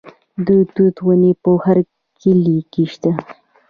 د توت ونې په هر کلي کې شته.